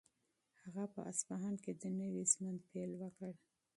هغه په اصفهان کې د نوي ژوند پیل وکړ.